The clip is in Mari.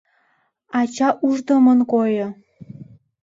Ача уждымын койо.